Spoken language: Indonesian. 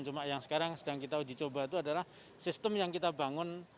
cuma yang sekarang sedang kita uji coba itu adalah sistem yang kita bangun